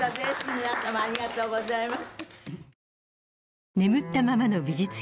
皆様ありがとうございます。